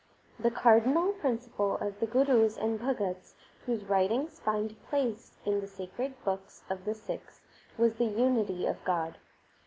The cardinal principle of the Gurus and Bhagats whose writings find place in the sacred books of the Sikhs was the unity of God.